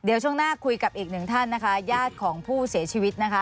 อีกหนึ่งญาติของผู้เสียชีวิต